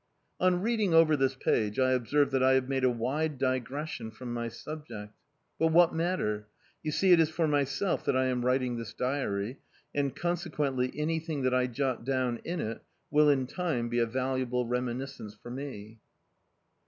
On reading over this page, I observe that I have made a wide digression from my subject... But what matter?... You see, it is for myself that I am writing this diary, and, consequently anything that I jot down in it will in time be a valuable reminiscence for me.